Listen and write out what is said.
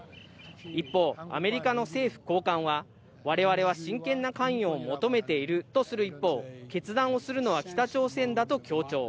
一方、アメリカの政府高官は我々は真剣な関与を求めているとする一方、決断をするのは北朝鮮だと強調。